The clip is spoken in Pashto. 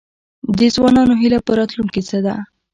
د ځوانانو هیله په راتلونکي څه ده؟